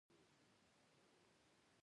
د لړم د چیچلو لپاره هوږه وکاروئ